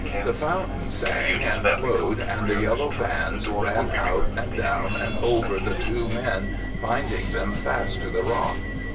The fountain sang and flowed and the yellow bands ran out and down and over the two men binding them fast to the rock.